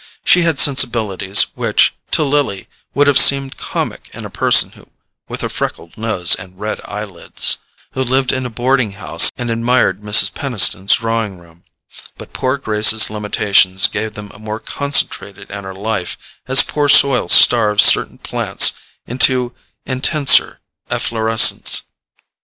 She had sensibilities which, to Lily, would have seemed comic in a person with a freckled nose and red eyelids, who lived in a boarding house and admired Mrs. Peniston's drawing room; but poor Grace's limitations gave them a more concentrated inner life, as poor soil starves certain plants into intenser efflorescence.